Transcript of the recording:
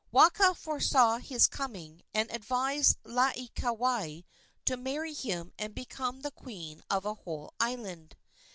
Waka foresaw his coming and advised Laieikawai to marry him and become the queen of a whole island.